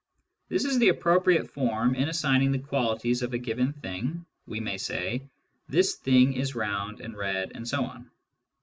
This is the appropriate form in assigning the qualities of a given thing — we may say "this thing is round, and red, and so on."